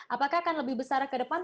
apakah akan lebih besar ke depan